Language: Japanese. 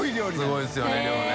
すごいですよね量ね。